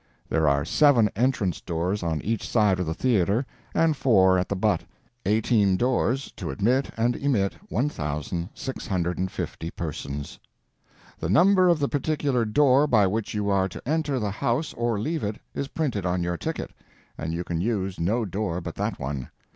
There are seven entrance doors on each side of the theater and four at the butt, eighteen doors to admit and emit 1,650 persons. The number of the particular door by which you are to enter the house or leave it is printed on your ticket, and you can use no door but that one.